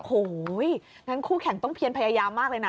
โอ้โหงั้นคู่แข่งต้องเพียนพยายามมากเลยนะ